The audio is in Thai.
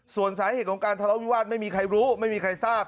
ส่วนสาเหตุของการทะเลาวิวาสไม่มีใครรู้ไม่มีใครทราบ